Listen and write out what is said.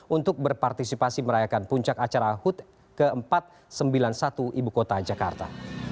untuk berpartisipasi merayakan puncak acara hut ke empat ratus sembilan puluh satu ibu kota jakarta